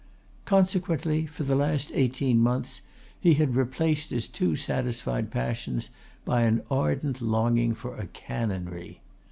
Consequently, for the last eighteen months he had replaced his two satisfied passions by an ardent longing for a canonry.